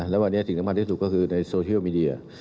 แล้ววันนี้สิ่งสำคัญที่สุดก็คือในโซเชียลมีเดีย